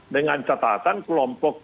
dengan catatan kelompok